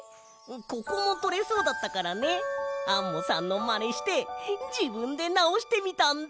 ここもとれそうだったからねアンモさんのまねしてじぶんでなおしてみたんだ！